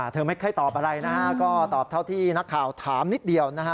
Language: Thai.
เธอไม่ค่อยตอบอะไรนะฮะก็ตอบเท่าที่นักข่าวถามนิดเดียวนะฮะ